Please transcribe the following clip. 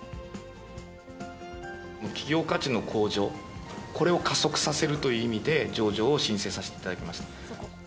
企業価値の向上、これを加速させるという意味で、上場を申請させていただきました。